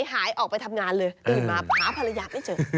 หายออกไปทำงานเลยตื่นมาหาภรรยาไม่เจอ